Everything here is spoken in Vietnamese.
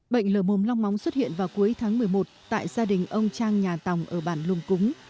bệnh lở mồm long móng xuất hiện vào cuối tháng một mươi một tại gia đình ông trang nhà tòng ở bản lung cúng